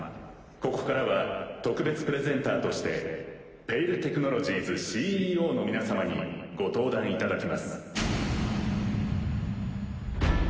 ここからは特別プレゼンターとして「ペイル・テクノロジーズ」ＣＥＯの皆様にご登壇いただきます。